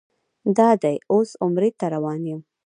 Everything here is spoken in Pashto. دادی اوس عمرې ته روان یم.